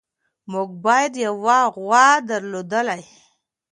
موږ باید یوه غوا درلودلی.